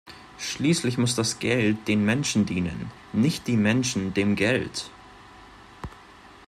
Schließlich muss das Geld den Menschen dienen, nicht die Menschen dem Geld!